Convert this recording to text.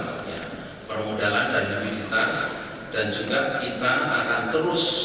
sehingga kita akan terus melakukan restructuring lembaga keuangan dan industri kita